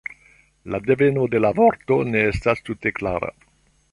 La deveno de la vorto ne estas tute klara.